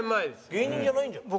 芸人じゃないんじゃない？